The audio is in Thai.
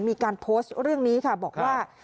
มีการโพสต์เรื่องนี้ค่ะบอกว่า